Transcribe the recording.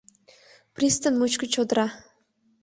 Пристань мучко чодыра.